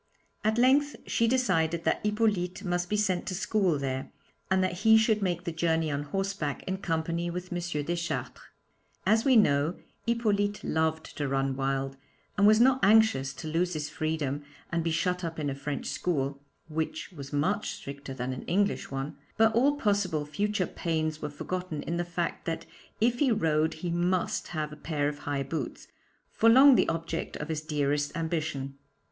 At length she decided that Hippolyte must be sent to school there, and that he should make the journey on horseback in company with M. Deschartres. As we know, Hippolyte loved to run wild, and was not anxious to lose his freedom and be shut up in a French school (which was much stricter than an English one), but all possible future pains were forgotten in the fact that if he rode he must have a pair of high boots for long the object of his dearest ambition.